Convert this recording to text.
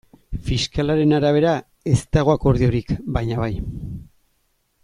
Fiskalaren arabera ez dago akordiorik, baina bai.